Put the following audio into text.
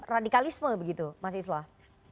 radikalisme begitu mas islah